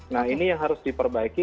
nah ini yang harus diperbaiki